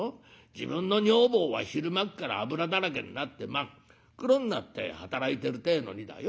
自分の女房は昼間っから油だらけになって真っ黒になって働いてるってえのにだよ